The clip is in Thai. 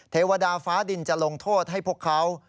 เทวดาฟ้าดินจะลงโทษให้พวกเขา